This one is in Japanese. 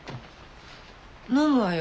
飲むわよ。